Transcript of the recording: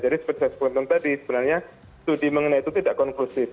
jadi seperti saya sebutkan tadi sebenarnya studi mengenai itu tidak konklusif